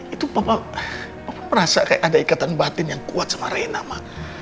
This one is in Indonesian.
itu papa aku merasa kayak ada ikatan batin yang kuat sama raina ma